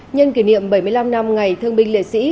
nhân kỷ niệm bảy mươi năm năm ngày thương binh liệt sĩ